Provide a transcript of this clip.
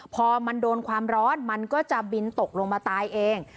พอมันโดนความร้อนมันก็จะบินตกลงมาตายเอง